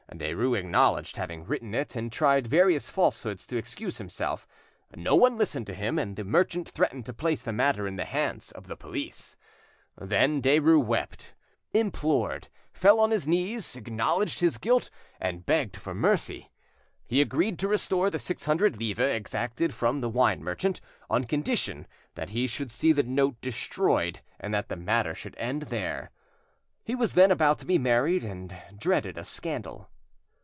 Derues acknowledged having written it, and tried various falsehoods to excuse himself. No one listened to him, and the merchant threatened to place the matter in the hands of the police. Then Derues wept, implored, fell on his knees, acknowledged his guilt, and begged for mercy. He agreed to restore the six hundred livres exacted from the wine merchant, on condition that he should see the note destroyed and that the matter should end there. He was then about to be married, and dreaded a scandal.